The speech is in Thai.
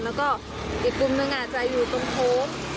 แล้วก็อีกกลุ่มหนึ่งอาจจะอยู่ตรงโค้ง